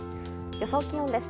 予想気温です。